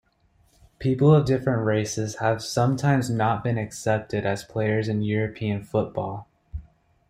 People of different races have sometimes not been accepted as players in European football.